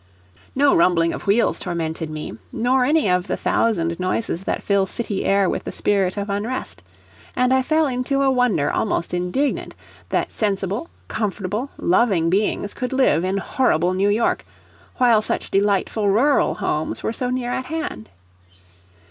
No rumbling of wheels tormented me, nor any of the thousand noises that fill city air with the spirit of unrest, and I fell into a wonder almost indignant that sensible, comfortable, loving beings could live in horrible New York, while such delightful rural homes were so near at hand.